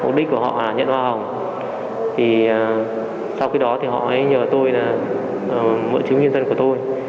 mục đích của họ là nhận hoa hồng sau khi đó họ nhờ tôi mượn chứng minh nhân dân của tôi